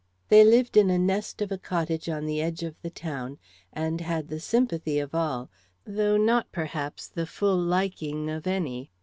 They lived in a nest of a cottage on the edge of the town, and had the sympathy of all, though not perhaps the full liking of any.